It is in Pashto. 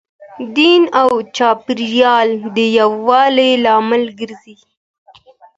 دین او چاپیریال د یووالي لامل ګرځي.